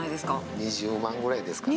２０万ぐらいですかね。